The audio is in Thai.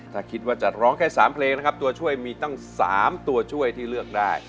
ถ้าคิดว่าจะร้องแค่๓เพลงนะครับตัวช่วยมีตั้ง๓ตัวช่วยที่เลือกได้